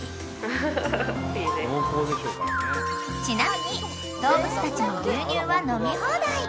［ちなみに動物たちも牛乳は飲み放題］